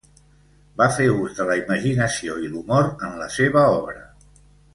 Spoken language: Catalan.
Va fer ús de la imaginació i l'humor en la seva obra.